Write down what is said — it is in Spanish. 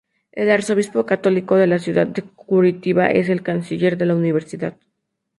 El Arzobispo católico de la ciudad de Curitiba es el canciller de la Universidad.